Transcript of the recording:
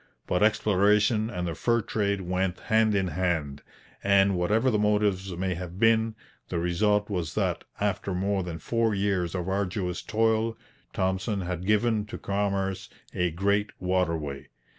But exploration and the fur trade went hand in hand; and whatever the motives may have been, the result was that, after more than four years of arduous toil, Thompson had given to commerce a great waterway.